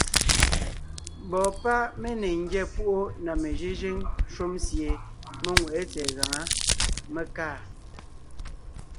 Mbɔɔ páʼ mé ne ńgyá púʼu na mejʉ́jʉ́ŋ shúm sie mé ŋweʼé tsɛ̀ɛ gaŋá, mé kaa.